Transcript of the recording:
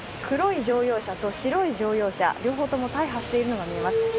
黒い乗用車と白い乗用車、両方とも大破しているのが見えます。